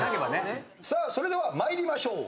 それでは参りましょう。